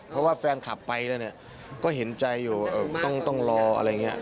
เพราะว่าแฟนคลับไปแล้วเนี่ยก็เห็นใจอยู่ต้องรออะไรอย่างนี้